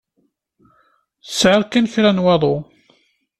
Tesɛiḍ kan kra n waḍu.